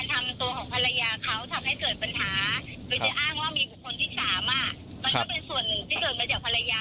ที่บอกว่าตัวมีการวิตเดี๋ยวเรารู้มั้ย